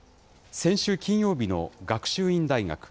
先週金曜日の学習院大学。